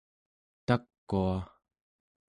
takua